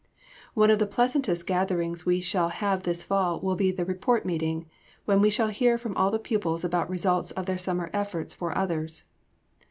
One of the pleasantest gatherings we shall have this fall will be the Report Meeting, when we shall hear from all the pupils about results of their summer efforts for others.